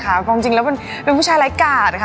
ความจริงแล้วเป็นผู้ชายไร้กาดค่ะ